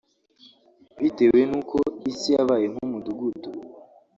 bitewe n’uko isi yabaye nk’umudugudu